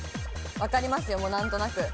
わかりますよ、何となく。